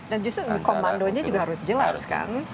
dan justru komandonya juga harus jelas kan